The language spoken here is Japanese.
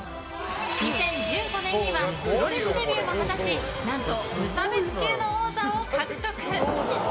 ２０１５年にはプロレスデビューも果たし何と、無差別級の王座を獲得！